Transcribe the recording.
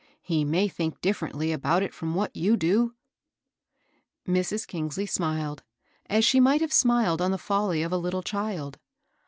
He may think dif ferently about it from what you do.'* Mrs. Ejngsley smiled, as she might have smiled on the folly of a little child.